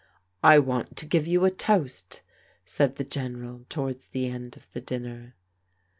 " I want to give you a toast," said the General towards the end of the dinner.